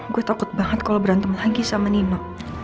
gue takut banget kalau berantem lagi sama nino